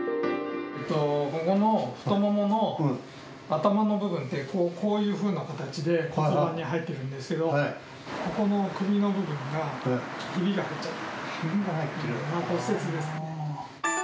ここの太ももの頭の部分って、こういうふうな形で骨盤に入ってるんですけど、ここの首の部分がひびが入っちゃってる、骨折ですね。